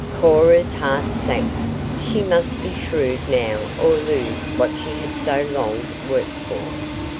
"Cora's heart sank. She must be shrewd now or lose what she had so long worked for.